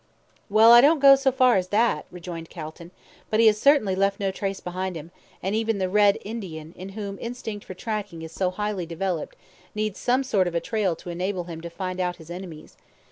"Well, I don't go as far as that," rejoined Calton; "but he has certainly left no trace behind him, and even the Red Indian, in whom instinct for tracking is so highly developed, needs some sort of a trail to enable him to find out his enemies.